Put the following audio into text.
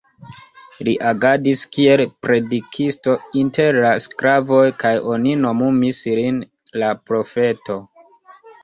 Li agadis kiel predikisto inter la sklavoj kaj oni nomumis lin "la profeto".